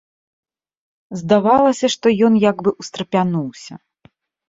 Здавалася, што ён як бы ўстрапянуўся.